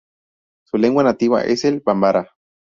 Su lengua nativa es el Bambara.